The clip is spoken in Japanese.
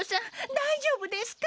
だいじょうぶですか？